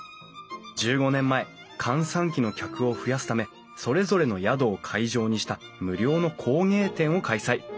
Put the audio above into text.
１５年前閑散期の客を増やすためそれぞれの宿を会場にした無料の工芸展を開催。